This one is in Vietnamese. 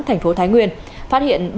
thành phố thái nguyên phát hiện